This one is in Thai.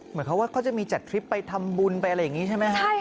เหมือนเขาว่าเขาจะมีจัดทริปไปทำบุญไปอะไรอย่างนี้ใช่ไหมครับ